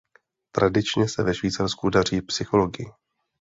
Tradičně se ve Švýcarsku daří psychologii.